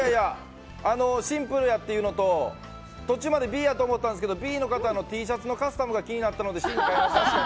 シンプルやというのと途中までＢやと思ったんですけどＢの方のＴシャツのカスタムが気になったのでＣに変えました。